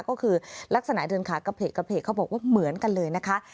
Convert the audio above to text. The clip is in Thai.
ก็คือลักษณะเดินขากระเพกเขาบอกว่าเหมือนกันเลยนะคะ